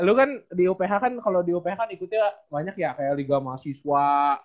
lalu kan di uph kan kalau di uph kan ikutnya banyak ya kayak liga mahasiswa